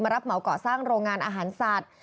รับเหมาก่อสร้างโรงงานอาหารสัตว์